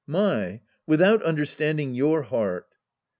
My, without understanding your heart